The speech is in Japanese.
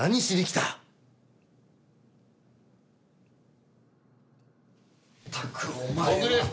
ったくお前は。